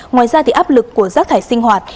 ngoài ra thì áp lực của rác thải sinh hoạt